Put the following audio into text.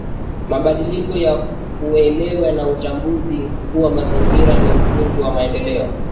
Mabadiliko ya uelewa na utambuzi kuwa mazingira ni msingi wa maendeleo